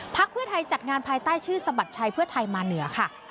เพื่อไทยจัดงานภายใต้ชื่อสะบัดชัยเพื่อไทยมาเหนือค่ะ